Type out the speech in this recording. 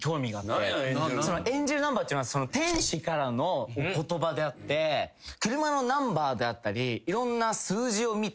エンジェルナンバーっていうのは天使からのお言葉であって車のナンバーであったりいろんな数字を見て。